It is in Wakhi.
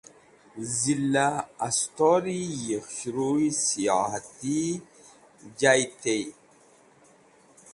Zila Astori yi Khushruy Siyohati jay tey.